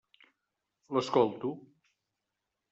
L'escolto.